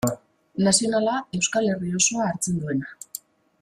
Nazionala, Euskal Herri osoa hartzen duena.